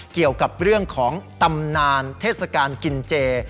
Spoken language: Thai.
เกี่ยวกับเรื่องของตำนานเทศกาลกินเจ